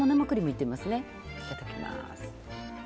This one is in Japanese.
いただきます。